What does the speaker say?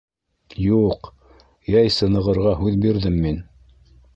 — Ю-юҡ, йәй сынығырға һүҙ бирҙем мин.